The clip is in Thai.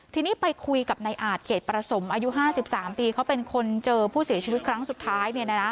ทีนี้ไปคุยกับนายอาจเกรดประสมอายุ๕๓ปีเขาเป็นคนเจอผู้เสียชีวิตครั้งสุดท้าย